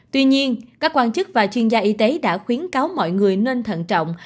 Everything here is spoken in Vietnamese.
tuy nhiên các quan chức và chuyên gia y tế đã khuyến cáo mọi người nên thận trọng